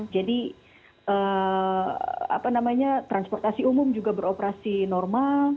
jadi apa namanya transportasi umum juga beroperasi normal